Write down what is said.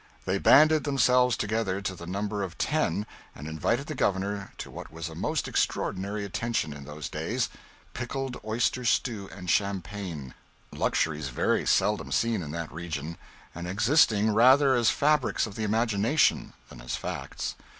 They banded themselves together to the number of ten and invited the Governor to what was a most extraordinary attention in those days pickled oyster stew and champagne luxuries very seldom seen in that region, and existing rather as fabrics of the imagination than as facts.